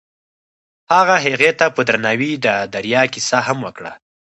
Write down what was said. هغه هغې ته په درناوي د دریا کیسه هم وکړه.